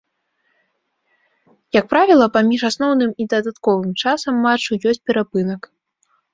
Як правіла, паміж асноўным і дадатковым часам матчу ёсць перапынак.